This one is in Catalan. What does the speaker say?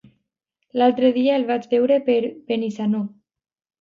L'altre dia el vaig veure per Benissanó.